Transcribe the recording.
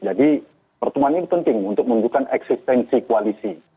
jadi pertemuan ini penting untuk menunjukkan eksistensi koalisi